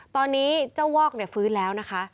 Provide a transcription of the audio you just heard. ตอนนี้เจ้าวอกฟื้นแล้วนะคะ